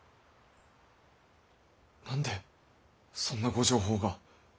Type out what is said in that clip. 何でそんなご定法が。